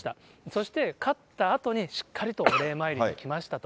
そして勝ったあとにしっかりとお礼参りに来ましたと。